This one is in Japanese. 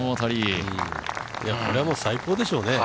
これは最高でしょうね。